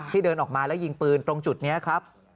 เดินออกมาแล้วยิงปืนตรงจุดนี้ครับ